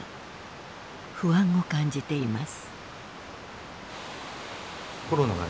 不安を感じています。